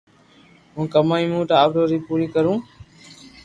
ھون ڪمائي مون ٽاٻرو ري پوري ڪرو